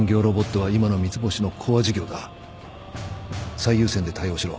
最優先で対応しろ。